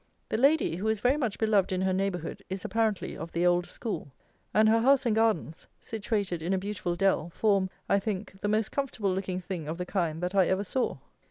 The Lady, who is very much beloved in her neighbourhood, is, apparently, of the old school; and her house and gardens, situated in a beautiful dell, form, I think, the most comfortable looking thing of the kind that I ever saw.